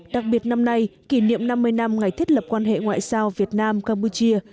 đặc biệt năm nay kỷ niệm năm mươi năm ngày thiết lập quan hệ ngoại giao việt nam campuchia